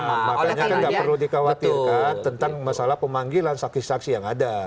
nah makanya kan nggak perlu dikhawatirkan tentang masalah pemanggilan saksi saksi yang ada